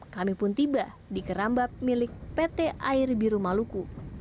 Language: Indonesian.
kami pun tiba di kerambab milik pt air biru maluku